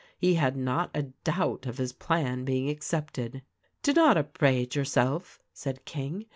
He had not a doubt of his plan being accepted." "Do not upbraid yourself," said King.